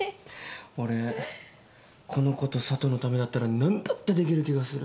俺この子と佐都のためだったら何だってできる気がする。